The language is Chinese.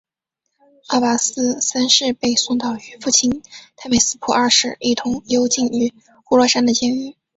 阿拔斯三世被送到与父亲太美斯普二世一同幽禁于呼罗珊的监狱。